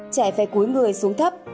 trẻ phải cúi người xuống thấp